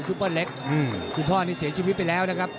เปอร์เล็กคุณพ่อนี่เสียชีวิตไปแล้วนะครับ